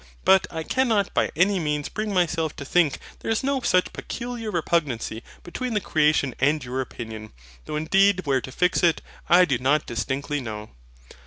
But I cannot by any means bring myself to think there is no such peculiar repugnancy between the creation and your opinion; though indeed where to fix it, I do not distinctly know.